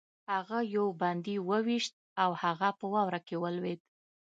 هغه یو بندي وویشت او هغه په واوره کې ولوېد